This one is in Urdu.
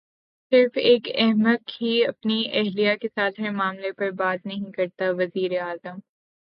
صرف ایک احمق ہی اپنی اہلیہ کے ساتھ ہر معاملے پر بات نہیں کرتا وزیراعظم